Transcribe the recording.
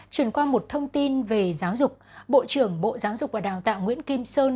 chuyển qua một thông tin về giáo dục bộ trưởng bộ giáo dục và đào tạo nguyễn kim sơn